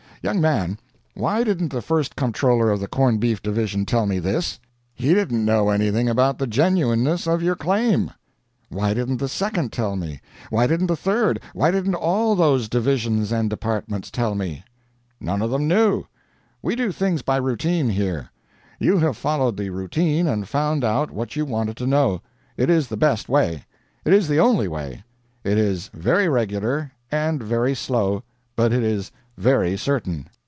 Young man, why didn't the First Comptroller of the Corn Beef Division tell me this?" "He didn't know anything about the genuineness of your claim." "Why didn't the Second tell me? why didn't the Third? why didn't all those divisions and departments tell me?" "None of them knew. We do things by routine here. You have followed the routine and found out what you wanted to know. It is the best way. It is the only way. It is very regular, and very slow, but it is very certain."